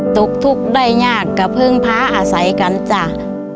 ศุกร์ทดีกว่าพึงพระศึกิริจอาศัยเจ้า